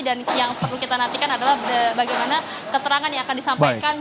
dan yang perlu kita nantikan adalah bagaimana keterangan yang akan disampaikan